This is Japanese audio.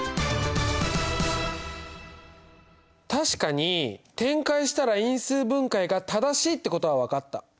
確かに展開したら因数分解が正しいってことは分かった。